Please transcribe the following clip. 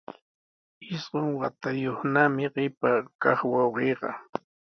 Isqun watayuqnami qipa kaq wawqiiqa.